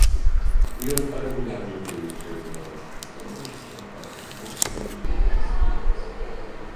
Ён рэгулярна ўдзельнічае ў беларускіх спаборніцтвах па кікбоксінгу і тайскім боксе.